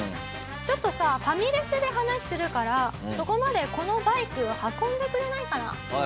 「ちょっとさファミレスで話するからそこまでこのバイク運んでくれないかな？」。